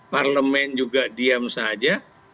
parlemen juga diam saja